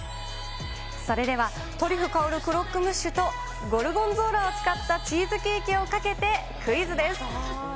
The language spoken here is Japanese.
それでは、トリュフ薫るクロックムッシュとゴルゴンゾーラを使ったチーズケーキをかけてクイズです。